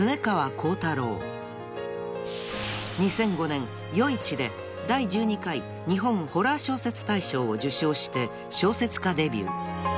［２００５年『夜市』で第１２回日本ホラー小説大賞を受賞して小説家デビュー］